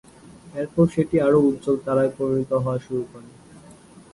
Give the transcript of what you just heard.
এরপর সেটি আরও উজ্জ্বল তারায় পরিণত হওয়া শুরু করে।